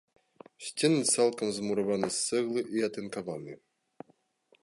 Сцены цалкам змураваны з цэглы і атынкаваны.